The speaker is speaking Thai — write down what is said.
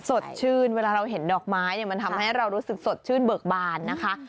สดชื่นเวลาเราเห็นดอกไม้เนี่ยมันทำให้เรารู้สึกสดชื่นเบิกบานนะคะ